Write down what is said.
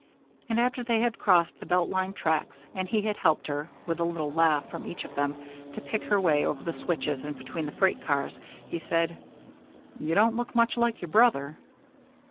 And after they had crossed the Belt Line tracks, and he had helped her, with a little laugh from each of them, to pick her way over the switches and between the freight cars, he said: "You don't look much like your brother."